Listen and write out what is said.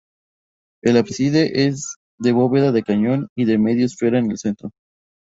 El ábside es de bóveda de cañón y de media esfera en el centro.